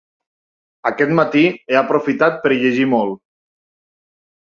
Aquest matí he aprofitat per llegir molt.